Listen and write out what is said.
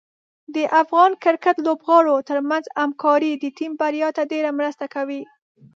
د افغان کرکټ لوبغاړو ترمنځ همکاري د ټیم بریا ته ډېره مرسته کوي.